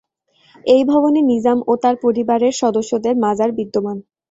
এই ভবনে নিজাম ও তার পরিবারের সদস্যদের মাজার বিদ্যমান।